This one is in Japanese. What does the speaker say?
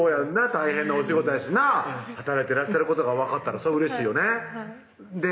大変なお仕事やしなぁ働いてらっしゃることが分かったらそらうれしいよねで？